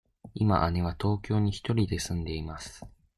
今姉は東京に一人で住んでいます。